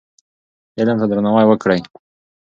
علم ته درناوی وکړئ.